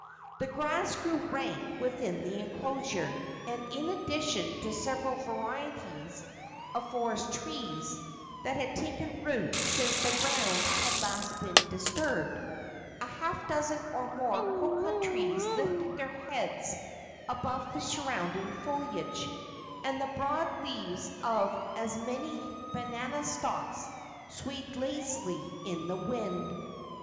The grass grew rank within the enclosure, and, in addition to several varieties of forest trees that had taken root since the ground had last been disturbed, a half dozen or more cocoa trees lifted their heads above the surrounding foliage, and the broad leaves of as many banana stalks swayed lazily in the wind.